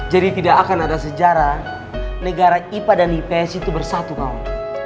jadi tidak akan ada sejarah negara ipa dan ips itu bersatu kawan